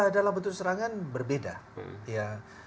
dalam bentuk serangan berbeda